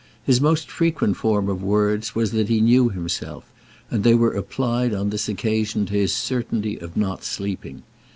His most frequent form of words was that he knew himself, and they were applied on this occasion to his certainty of not sleeping.